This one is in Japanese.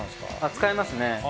使いますね。